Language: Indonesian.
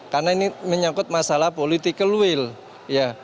karena ini menyangkut masalah political will ya